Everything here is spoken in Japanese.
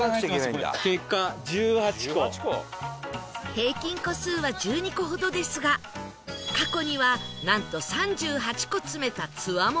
平均個数は１２個ほどですが過去にはなんと３８個詰めたつわものも